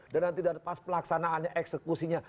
dan nanti dari pas pelaksanaannya eksekusinya